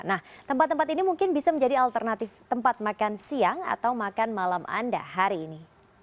nah tempat tempat ini mungkin bisa menjadi alternatif tempat makan siang atau makan malam anda hari ini